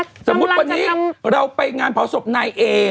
สมมุติวันนี้เราไปงานเผาศพนายเอ